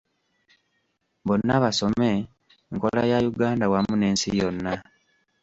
Bonna Basome nkola ya Uganda wamu n'ensi yonna.